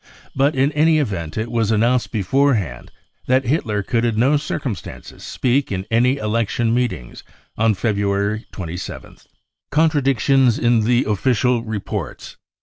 But in any event it was announced beforehand that Hitler could in no cir cumstances speak in any election meetings on February 27 th. Contradictions in the Official Reports.